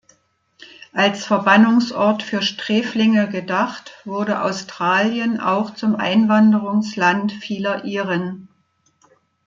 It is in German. Als Verbannungsort für Sträflinge gedacht, wurde Australien auch zum Einwanderungsland vieler Iren.